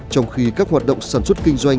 trong khi các hoạt động sản xuất kinh doanh